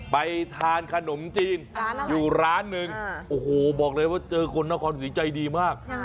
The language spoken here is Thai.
ไปทานขนมจีนอยู่ร้านหนึ่งโอ้โหบอกเลยว่าเจอคนนครศรีใจดีมาก